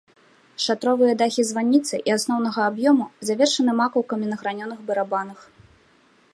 Шатровыя дахі званіцы і асноўнага аб'ёму завершаны макаўкамі на гранёных барабанах.